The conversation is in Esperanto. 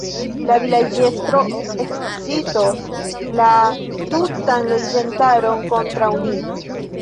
La vilaĝestro ekscitos la tutan loĝantaron kontraŭ ni.